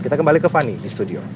kita kembali ke fani di studio